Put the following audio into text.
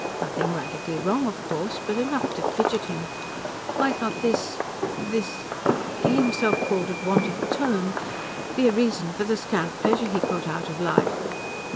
Nothing radically wrong, of course, but enough to fidget him. Might not this ... this he himself called it "want of tone" be a reason for the scant pleasure he got out of life?